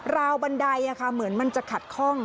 วบันไดเหมือนมันจะขัดข้อง